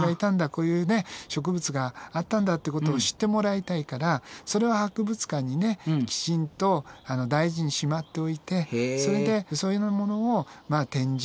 こういうね植物があったんだってことを知ってもらいたいからそれを博物館にねきちんと大事にしまっておいてそれでそういうようなものを展示